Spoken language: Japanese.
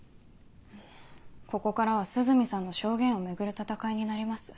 ここからは涼見さんの証言を巡る戦いになります。